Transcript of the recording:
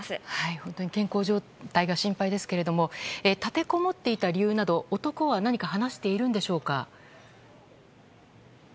本当に健康状態が心配ですけれども立てこもっていた理由など男は何か話していますか。